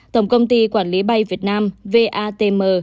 tổng công ty quản lý bay việt nam vatm